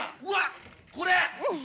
うわこれ！